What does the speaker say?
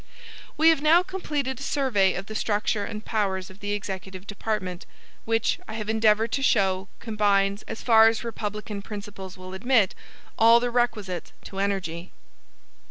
We have now completed a survey of the structure and powers of the executive department, which, I have endeavored to show, combines, as far as republican principles will admit, all the requisites to energy.